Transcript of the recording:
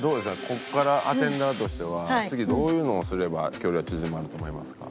ここからアテンダーとしては次どういうのをすれば距離が縮まると思いますか？